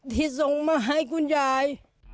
ที่ส่งมาให้คุณยาย